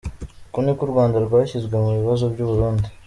Uko niko u Rwanda rwashyizwe mu bibazo by’u Burundi.”